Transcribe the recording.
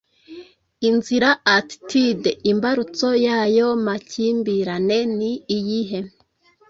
inzira attitudes imbarutso yayo makimbirane ni iyihe